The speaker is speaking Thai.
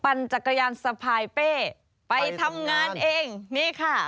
จักรยานสะพายเป้ไปทำงานเองนี่ค่ะ